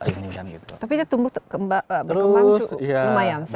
tapi dia tumbuh kembang